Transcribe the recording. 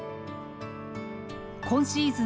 今シーズン